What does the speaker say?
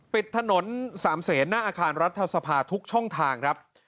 ปิดถนนสามเศษหน้าอาคารรัฐสภาทุกช่องทางครับ